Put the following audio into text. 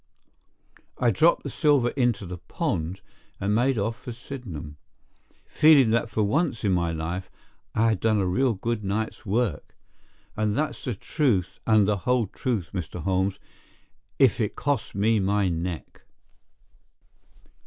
I dropped the silver into the pond, and made off for Sydenham, feeling that for once in my life I had done a real good night's work. And that's the truth and the whole truth, Mr. Holmes, if it costs me my neck."